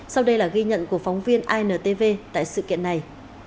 sau đây là ghi nhận của phóng viên intv tại sự kiện này